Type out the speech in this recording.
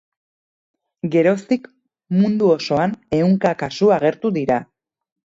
Geroztik, mundu osoan ehunka kasu agertu dira.